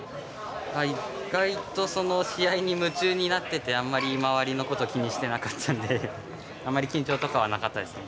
意外と試合に夢中になっててあんまり周りのこと気にしてなかったんであまり緊張とかはなかったですね。